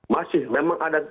masih memang ada